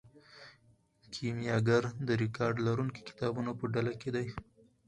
کیمیاګر د ریکارډ لرونکو کتابونو په ډله کې دی.